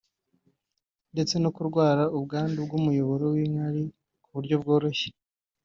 ndetse no kurwara ubwandu bw’umuyoboro w’inkari ku buryo bworoshye